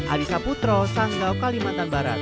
adisa putro sanggau kalimantan barat